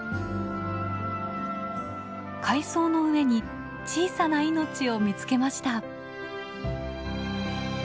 海藻の上に小さな命を見つけました。